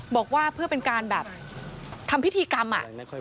บอกว่าเพื่อเป็นการแบบทำพิธีกรรม